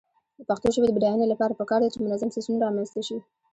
د پښتو ژبې د بډاینې لپاره پکار ده چې منظم سیسټم رامنځته شي.